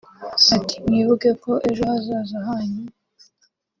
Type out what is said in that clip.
Ati “Mwibuke ko ejo hazaza hanyu